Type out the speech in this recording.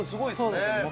そうですね